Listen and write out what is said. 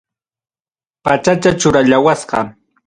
Pachacha churallawasqa.